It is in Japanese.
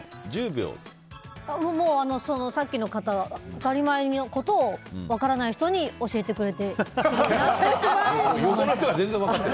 さっきの方、当たり前のことを分からない人に教えてくれてるなって思いました。